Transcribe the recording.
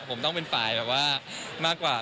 ผมก็ต้องเป็นฝ่ายหมดกว่า